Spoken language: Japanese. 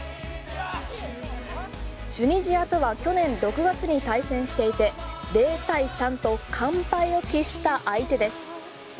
チュニジアとは去年６月に対戦していて０対３と完敗を喫した相手です。